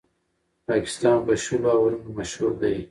پاکستان په شلو اورونو مشهور دئ.